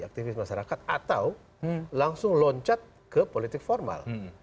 aktivis masyarakat atau langsung loncat ke politik formal